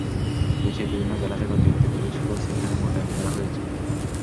দেশের বিভিন্ন জেলা থেকে অতিরিক্ত পুলিশ ফোর্স এখানে মোতায়েন করা হয়েছে।